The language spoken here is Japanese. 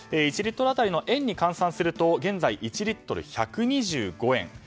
１リットル当たり円に換算すると現在１リットル＝１２５円。